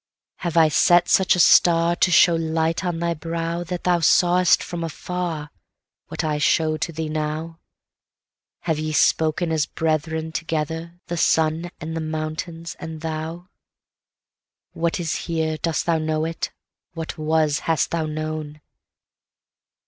Have I set such a starTo show light on thy browThat thou sawest from afarWhat I show to thee now? Have ye spoken as brethren together, the sun and the mountains and thou? What is here, dost thou know it? What was, hast thou known?